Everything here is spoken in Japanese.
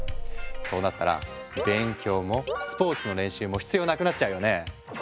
そうなったら勉強もスポーツの練習も必要なくなっちゃうよね。